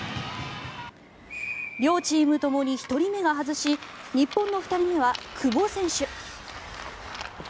両チームともに１人目が外し日本の２人目は久保選手。